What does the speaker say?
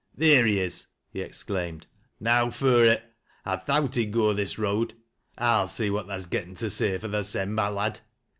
" Theer he is !" he exclaimed. " Now fur it. I thowt he'd go this road. I'll see what tha's getten to say fur thysen, my lad."